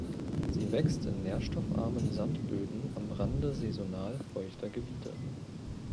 Sie wächst in nährstoffarmen Sandböden am Rande saisonal feuchter Gebiete.